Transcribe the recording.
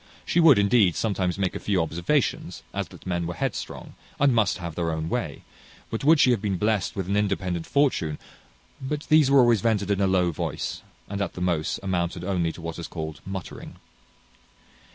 She would, indeed, sometimes make a few observations, as that men were headstrong, and must have their own way, and would wish she had been blest with an independent fortune; but these were always vented in a low voice, and at the most amounted only to what is called muttering.